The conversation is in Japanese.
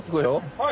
はい。